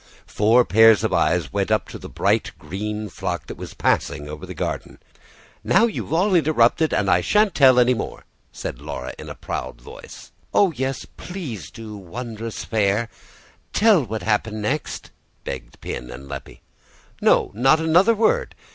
Four pairs of eyes went up to the bright green flock that was passing over the garden. "Now you've all interrupted, and I shan't tell any more," said Laura in a proud voice. "Oh, yes, please do, Wondrous Fair! Tell what happened next," begged Pin and Leppie. "No, not another word.